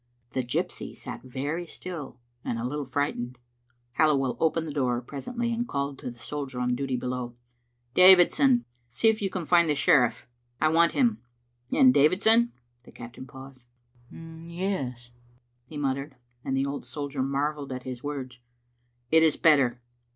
The gypsy sat very still and a little frightened. Digitized by VjOOQ IC B inioman'0 £ieed. 67 Halliwell opened the door presently, and called to the soldier on duty below. Davidson, see if you can find the sherifE. I want him. And Davidson " The captain paused. ''Yes," he muttered, and the old soldier marvelled at his words, "it is better.